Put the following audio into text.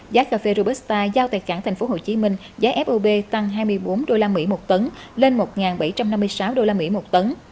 giá cà phê robusta giao tại cảng thành phố hồ chí minh giá fob tăng hai mươi bốn đô la mỹ một tấn lên một bảy trăm năm mươi sáu đô la mỹ một tấn